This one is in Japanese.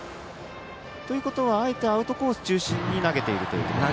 ということは、あえてアウトコース中心に投げているということですか。